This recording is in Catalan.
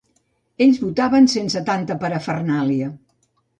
Ells votaven sense tanta parafernàlia.